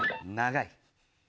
長い。